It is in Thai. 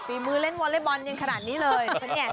มือเล่นวอเล็กบอลยังขนาดนี้เลย